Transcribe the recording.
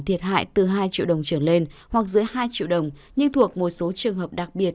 thiệt hại từ hai triệu đồng trở lên hoặc dưới hai triệu đồng nhưng thuộc một số trường hợp đặc biệt